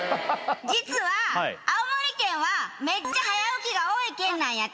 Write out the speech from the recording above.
実は青森県はめっちゃ早起きが多い県なんやて。